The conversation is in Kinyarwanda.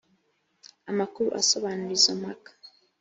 amakuru asobanura izo mpaka